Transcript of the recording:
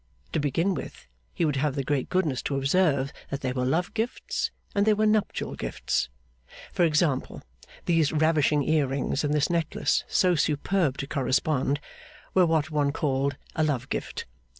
To begin with, he would have the great goodness to observe that there were love gifts, and there were nuptial gifts. For example, these ravishing ear rings and this necklace so superb to correspond, were what one called a love gift.